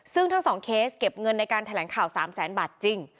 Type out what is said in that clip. ซึ่งทั้ง๒เคสเก็บเงินในการแถลงข่าว๓แสนบาทจริง